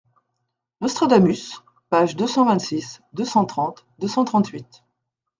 Nostradamus, pages deux cent vingt-six, deux cent trente, deux cent trente-huit.